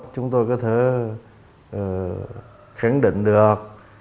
chúng tôi có thể khẳng định được